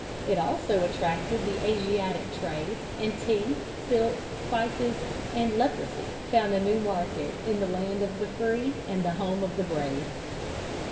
It also attracted the Asiatic trade, and tea, silk, spices, and leprosy found a new market in the land of the free and the home of the brave.